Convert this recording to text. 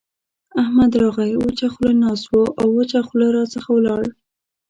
احمد راغی؛ وچه خوله ناست وو او وچه خوله راڅخه ولاړ.